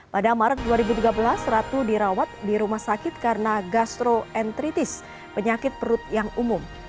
pada maret dua ribu tiga belas ratu dirawat di rumah sakit karena gastroentritis penyakit perut yang umum